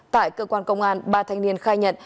tại cơ quan công an ba thanh niên khai nhận